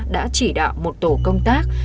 đã chỉ đạo một tổ công tác